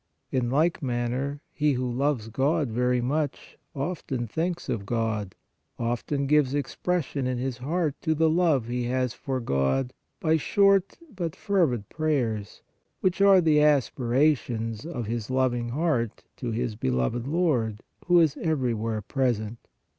In like manner, he who loves God very much, often thinks of God, often gives expression in his heart to the love he has for God by short, but fervid, prayers, which are the aspirations of his loving heart to his beloved Lord, who is everywhere present.